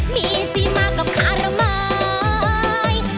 มีสีมากกับข้าระไม้